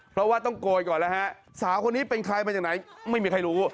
เพราะว่าต้องโกยก่อนแล้วฮะสาวคนนี้เป็นใครมาจากไหนไม่มีใครรู้